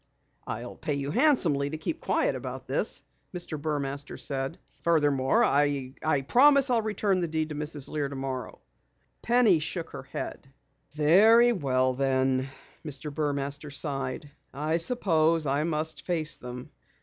"I'll pay you handsomely to keep quiet about this," Mr. Burmaster said. "Furthermore, I'll promise to return the deed to Mrs. Lear tomorrow." Penny shook her head. "Very well then," Mr. Burmaster sighed. "I suppose I must face them.